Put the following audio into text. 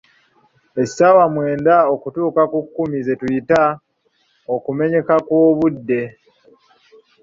Essaawa mwenda okutuuka ku kkumi ze tuyita "okumenyeka kw’obudde".